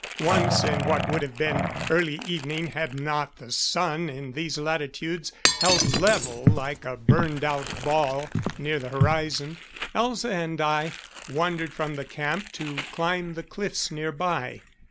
Once, in what would have been early evening had not the Sun in these latitudes held level like a burned out ball near the horizon, Elza and I wandered from the camp to climb the cliffs nearby.